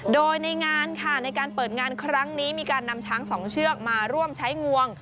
โดยในงานค่ะในการเปิดงานครั้งนี้มีการนำช้างสองเชือกมาร่วมใช้งวง